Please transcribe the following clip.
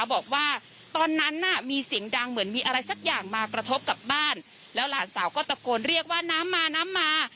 บอกว่าตอนนั้นน่ะมีเสียงดังเหมือนมีอะไรสักอย่างมากระทบกับบ้านแล้วหลานสาวก็ตะโกนเรียกว่าน้ำมาน้ำมา